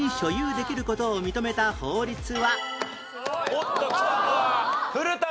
おっときたのは古田さん。